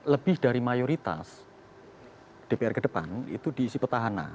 lebih dari mayoritas dpr kedepan itu diisi petahana